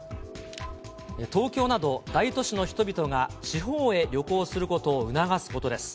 東京など大都市の人々が地方へ旅行することを促すことです。